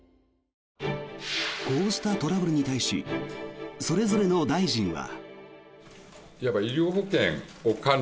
こうしたトラブルに対しそれぞれの大臣は。